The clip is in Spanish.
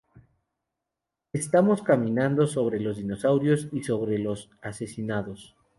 Estamos caminando sobre los dinosaurios y sobre los asesinados.